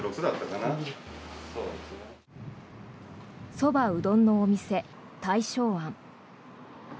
そば・うどんのお店、大正庵。